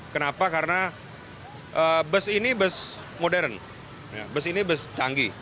kenapa karena bus ini bus modern bus ini bus canggih